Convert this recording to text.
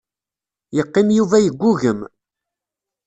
Yeqqim Yuba yeggugem.